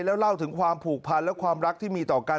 แล้วเล่าถึงความผูกพันและความรักที่มีต่อกัน